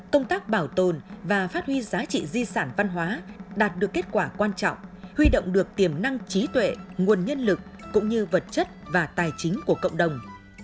công tác bảo tồn và phát huy giá trị di sản văn hóa đạt được kết quả quan trọng huy động được tiềm năng trí tuệ nguồn nhân lực cũng như vật chất và tài chính của cộng đồng